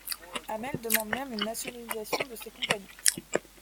Hamel demande même une nationalisation de ces compagnies.